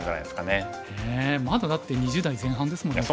ねえまだだって２０代前半ですもんね。